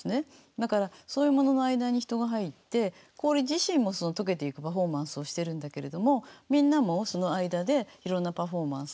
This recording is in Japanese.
だからそういうものの間に人が入って氷自身も解けていくパフォーマンスをしてるんだけれどもみんなもその間でいろんなパフォーマンスをしたりとか。